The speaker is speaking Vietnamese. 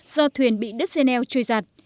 do thuyền bị đất dây neo trôi giặt